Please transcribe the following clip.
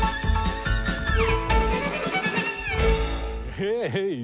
ヘイヘーイ！